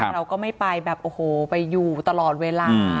เราก็ไม่ไปแบบโอ้โหไปอยู่ตลอดเวลา